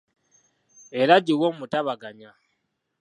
Era egiwe omutabaganya .